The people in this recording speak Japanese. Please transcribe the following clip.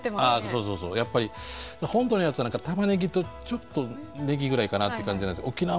そうそうそうやっぱり本土のやつはたまねぎとちょっとねぎぐらいかなって感じなんですけど沖縄